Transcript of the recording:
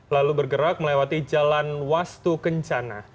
lalu bergerak melewati jalan wastu kencana